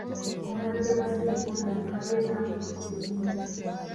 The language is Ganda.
Omulwadde wa ssennyiga ono abeera akulukuta eminyira.